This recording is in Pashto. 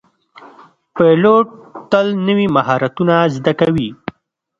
پیلوټ تل نوي مهارتونه زده کوي.